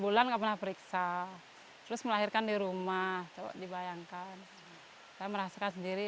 bulan nggak pernah periksa terus melahirkan di rumah coba dibayangkan saya merasakan sendiri